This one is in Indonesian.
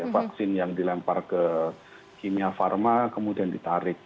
vaksin yang dilempar ke kimia pharma kemudian ditarik